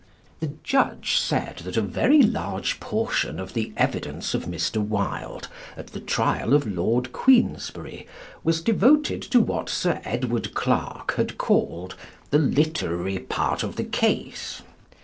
The Judge said that a very large portion of the evidence of Mr. Wilde at the trial of Lord Queensberry was devoted to what Sir Edward Clarke had called "the literary part of the case."